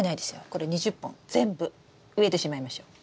これ２０本全部植えてしまいましょう。